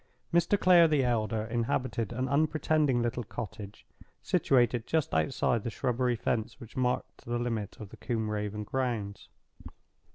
Mr. Clare the elder inhabited an unpretending little cottage, situated just outside the shrubbery fence which marked the limit of the Combe Raven grounds.